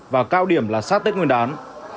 và cao điểm là sát tết nguyên đán